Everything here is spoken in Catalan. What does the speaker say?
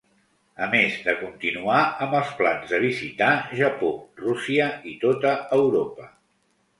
A més de continuar amb els plans de visitar, Japó, Rússia i tota Europa.